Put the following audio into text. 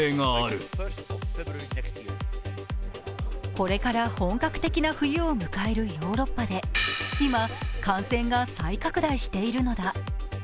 これから本格的な冬を迎えるヨーロッパで今、感染が再拡大しているのだ。